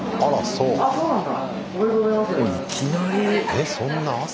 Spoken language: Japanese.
えっそんな朝。